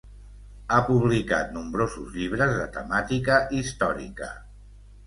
Ha publicat nombrosos llibres de temàtica històrica.